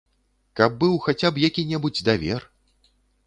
Каб быў хаця б які-небудзь давер.